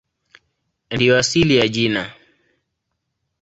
Ndiyo asili ya jina.